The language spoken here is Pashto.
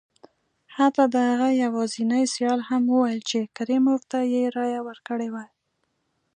حتی د هغه یوازیني سیال هم وویل چې کریموف ته یې رایه ورکړې وه.